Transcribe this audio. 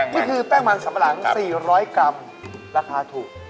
นี่คือแป้งมันสัมปะหลัง๔๐๐กรัมราคาถูก